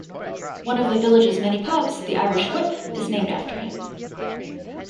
One of the village's many pubs, "The Irish Whip", is named after him.